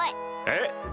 えっ？